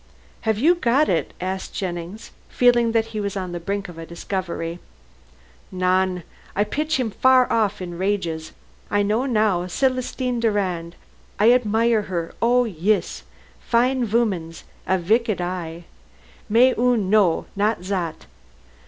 "Have you got it?" asked Jennings, feeling that he was on the brink of a discovery. "Non. I pitch him far off in rages. I know now, Celestine Durand. I admire her; oh, yis. Fine womans a viecked eye. Mais une no, not zat.